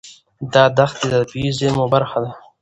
دا دښتې د طبیعي زیرمو برخه ده.